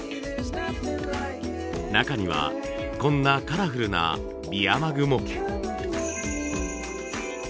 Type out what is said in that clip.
中にはこんなカラフルなビアマグも。